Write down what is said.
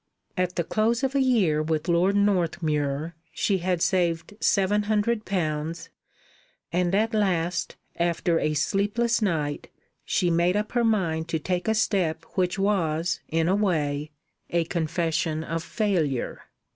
At the close of a year with Lord Northmuir she had saved seven hundred pounds, and at last, after a sleepless night, she made up her mind to take a step which was, in a way, a confession of failure.